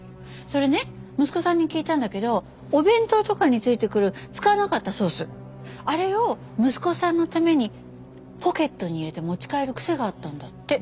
それね息子さんに聞いたんだけどお弁当とかについてくる使わなかったソースあれを息子さんのためにポケットに入れて持ち帰る癖があったんだって。